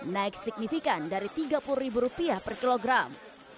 naik signifikan dari rp tiga puluh per kilogram